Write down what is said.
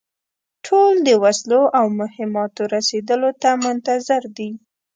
ټول د وسلو او مهماتو رسېدلو ته منتظر دي.